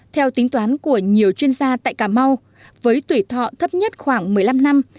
theo tính toán của nhiều chuyên gia tại cà mau với tuổi thọ thấp nhất khoảng một mươi năm năm